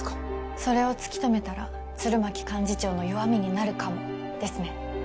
それを突き止めたら鶴巻幹事長の弱みになるかもですね。